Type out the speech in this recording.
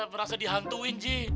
berasa dihantuin ji